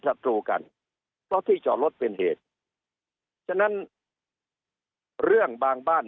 ศัตรูกันเพราะที่จอดรถเป็นเหตุฉะนั้นเรื่องบางบ้าน